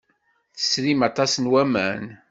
Tesrimt aṭas n waman.